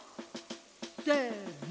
せの！